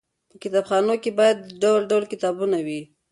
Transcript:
په کتابخانو کې باید ډول ډول کتابونه وي.